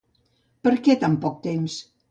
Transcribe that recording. Per què tan poc temps?